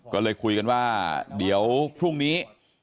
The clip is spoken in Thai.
ก็เลยคุยกันว่าเดี๋ยวพรุ่งนี้